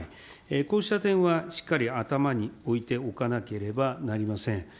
こうした点はしっかり頭に置いておかなければなりません。